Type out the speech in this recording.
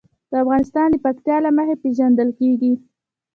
افغانستان د پکتیا له مخې پېژندل کېږي.